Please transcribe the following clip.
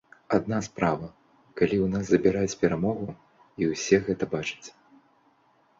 Адна справа, калі ў нас забіраюць перамогу, і ўсе гэта бачаць.